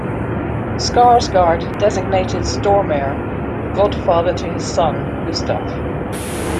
Skarsgård designated Stormare the godfather to his son, Gustaf.